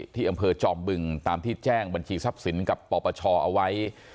ที่อำเภอจอมบึงตามที่แจ้งบัญชีทรัพย์สินกับปปชเอาไว้